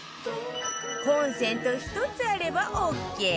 コンセント１つあればオーケー